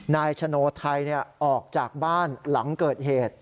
นายชโนไทยออกจากบ้านหลังเกิดเหตุ